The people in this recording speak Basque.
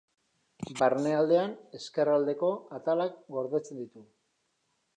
Barnealdean, ezkerraldeko atalak gordetzen ditu.